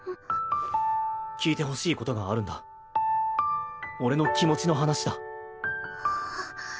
聞いてほしいことがあるんだ俺の気持ちの話だあっ